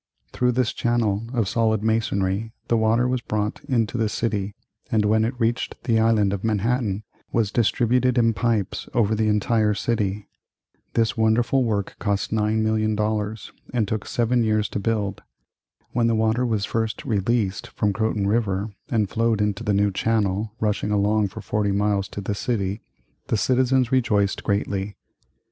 Through this channel of solid masonry the water was brought into the city, and when it reached the Island of Manhattan was distributed in pipes over the entire city. This wonderful work cost $9,000,000, and took seven years to build. When the water was first released from Croton River and flowed into the new channel, rushing along for forty miles to the city, the citizens rejoiced greatly.